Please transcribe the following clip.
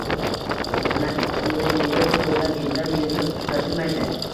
Ularning ongida «nega bu yo‘llar yildan yilga tuzatilmaydi?»